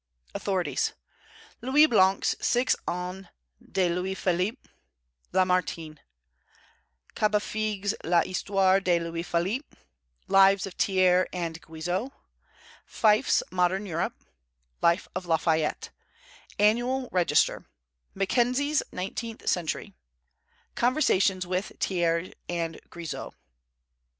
AUTHORITIES. Louis Blanc's Six Ans de Louis Philippe; Lamartine; Capefigue's L'Histoire de Louis Philippe; Lives of Thiers and Guizot; Fyffe's Modern Europe; Life of Lafayette; Annual Register; Mackenzie's Nineteenth Century; Conversations with Thiers and Guizot.